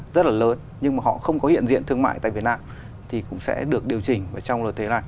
rất là lớn nhưng mà họ không có hiện diện thương mại tại việt nam thì cũng sẽ được điều chỉnh trong luật thuế này